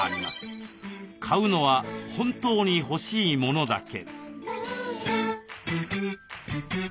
買うのは本当に欲しいものだけ。